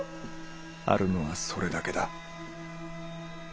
あるのはそれだけだ。